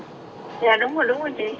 dạ đúng rồi đúng rồi chị